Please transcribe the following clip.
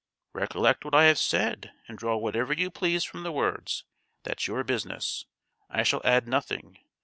"Recollect what I have said, and draw whatever you please from the words; that's your business. I shall add nothing.